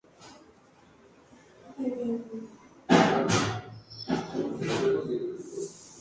Aloja el equipo de visualización de procesamiento central del sistema.